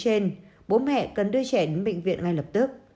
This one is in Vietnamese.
trên bố mẹ cần đưa trẻ đến bệnh viện ngay lập tức